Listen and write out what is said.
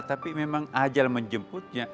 tapi memang ajal menjemputnya